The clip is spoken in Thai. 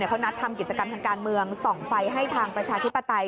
เขานัดทำกิจกรรมทางการเมืองส่องไฟให้ทางประชาธิปไตย